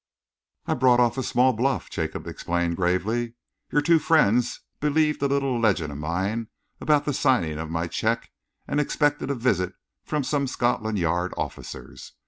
"I brought off a small bluff," Jacob explained gravely. "Your two friends believed a little legend of mine about the signing of my cheque and expected a visit from some Scotland Yard officers.